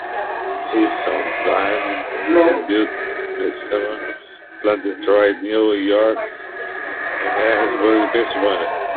He soon designed and built Bessemer plants in Troy, New York, and Harrisburg, Pennsylvania.